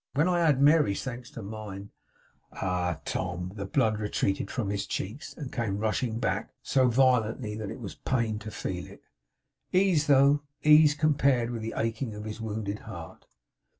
When I add Mary's thanks to mine ' Ah, Tom! The blood retreated from his cheeks, and came rushing back, so violently, that it was pain to feel it; ease though, ease, compared with the aching of his wounded heart.